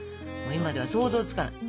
今では想像つかない。